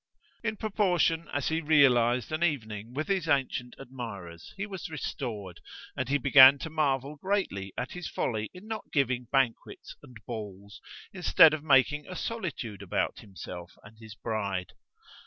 In proportion as he realized an evening with his ancient admirers he was restored, and he began to marvel greatly at his folly in not giving banquets and Balls, instead of making a solitude about himself and his bride.